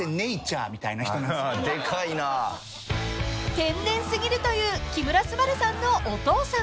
［天然すぎるという木村昴さんのお父さん］